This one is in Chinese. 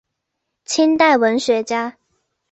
清代文学家。